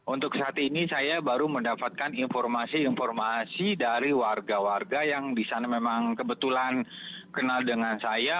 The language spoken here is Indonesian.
untuk saat ini saya baru mendapatkan informasi informasi dari warga warga yang di sana memang kebetulan kenal dengan saya